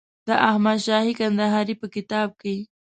د احمدشاهي کندهار په کتاب کې.